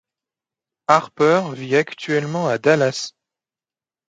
Harper vit actuellement à Dallas.